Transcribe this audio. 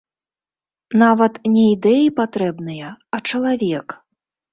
Нават не ідэі патрэбныя, а чалавек.